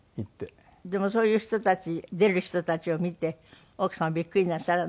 でもそういう人たち出る人たちを見て奥様はビックリなさらない？